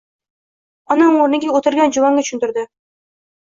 Onam yoniga o‘tirgan juvonga tushuntirdi.